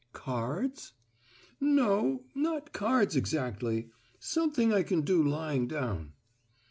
"Cards?" "No, not cards exactly. Something' I can do lying down.